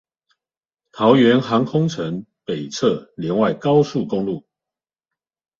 桃園航空城北側聯外高速公路